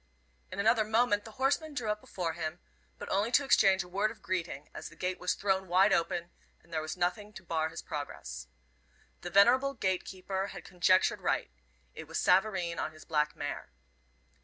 In another moment the horseman drew up before him, but only to exchange a word of greeting, as the gate was thrown wide open, and there was nothing to bar his progress. The venerable gate keeper had conjectured right. It was Savareen on his black mare.